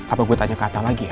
apa gue tanya ke ata lagi ya